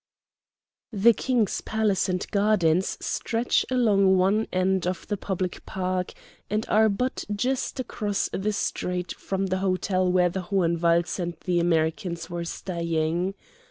The King's palace and gardens stretch along one end of the public park, and are but just across the street from the hotel where the Hohenwalds and the Americans were staying.